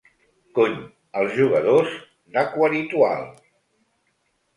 Cony, els jugadors d'Aquaritual!